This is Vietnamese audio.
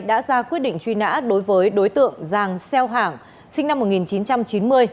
đã ra quyết định truy nã đối với đối tượng giàng xeo hảng sinh năm một nghìn chín trăm chín mươi